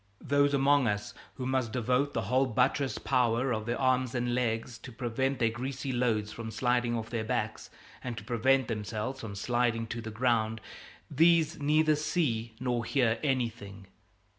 Those among us who must devote the whole buttressed power of their arms and legs to prevent their greasy loads from sliding off their backs and to prevent themselves from sliding to the ground, these neither see nor hear anything.